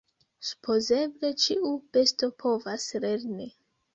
Supozeble ĉiu besto povas lerni.